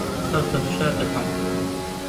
هەست بە فشار دەکەم.